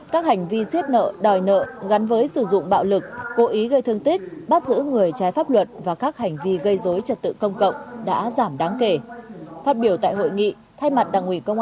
các hành vi giết nợ đòi nợ gắn với sử dụng bạo lực cố ý gây thương tích bắt giữ người trái pháp luật và các hành vi gây dối trật tự công cộng đã giảm đáng kể